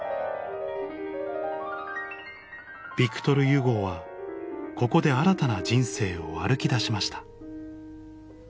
ヴィクトル・ユゴーはここで新たな人生を歩きだしました